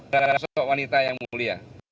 dan ada sosok wanita yang mulia